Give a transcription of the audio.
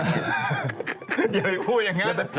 อย่าไปพูดอย่างนี้